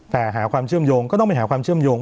แต่หาความเชื่อมโยงก็ต้องไปหาความเชื่อมโยง